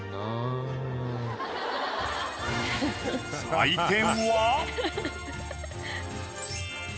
採点は？